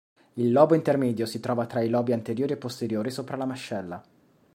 Il lobo intermedio si trova tra i lobi anteriori e posteriori sopra la mascella.